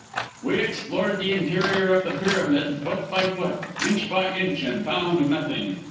We explored the interior of the pyramid foot by foot, inch by inch and found nothing.